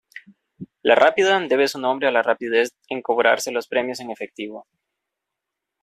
La Rápida debe su nombre a la rapidez en cobrarse los premios en efectivo.